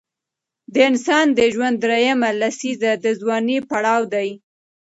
د انسان د ژوند دریمه لسیزه د ځوانۍ پړاو دی.